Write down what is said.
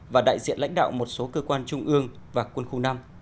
và đại diện lãnh đạo một số cơ quan trung ương và quân khu năm